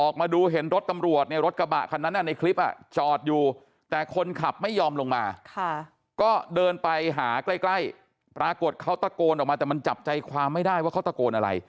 คนนั้นในคลิปอ่ะจอดอยู่แต่คนขับไม่ยอมลงมาก็เดินไปหาใกล้ปรากฏเขาตะโกนออกมาแต่มันจับใจความไม่ได้ว่าเขาตะโกนอะไร